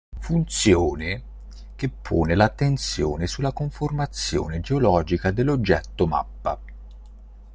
Funzione che pone l'attenzione sulla conformazione geologica dell'oggetto-mappa.